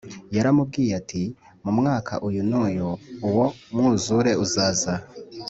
yaramubwiye iti mu mwaka uyu n’uyu uwo mwuzure uzaza.